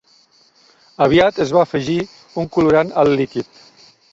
Aviat es va afegir un colorant al líquid.